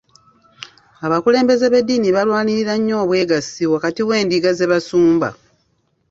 Abakulembeze b'edddiini balwanirira nnyo obwegassi wakati w'endiga ze basumba.